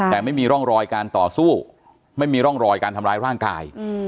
แต่ไม่มีร่องรอยการต่อสู้ไม่มีร่องรอยการทำร้ายร่างกาย